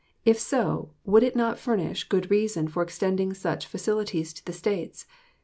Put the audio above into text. If so, would it not furnish good reason for extending such facilities to the States?